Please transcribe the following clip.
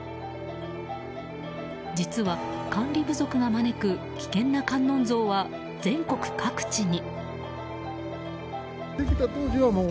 実は管理不足が招く危険な観音像は全国各地に。